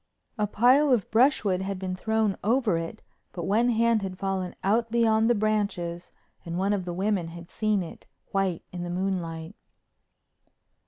A pile of brushwood had been thrown over it, but one hand had fallen out beyond the branches and one of the women had seen it, white in the moonlight.